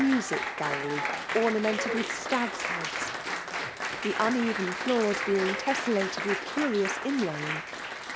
music gallery oiw nameuted with stags' heads, — the uneven floppii bei^g tcapeli|ted with curious inlaying.